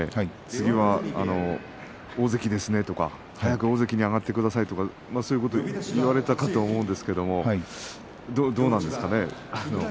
次は大関ですねとか早く大関に上がってくださいっていうことを言われたかと思うんですがどうなんですかね。